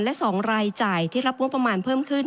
และ๒รายจ่ายที่รับงบประมาณเพิ่มขึ้น